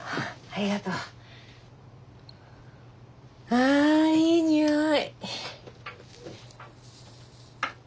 ああいい匂い！